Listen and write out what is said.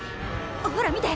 ほら見て。